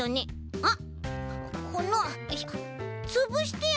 あっ！